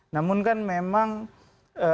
namun kan memang saya bilang tadi persoal politikannya